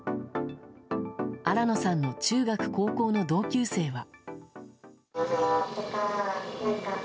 新野さんの中学、高校の同級生は。